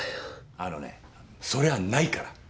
あのねそれはないから。